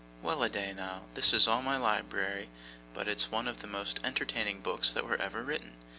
'Well a day now, this is all my library, but it's one of the most entertaining books that were ever written!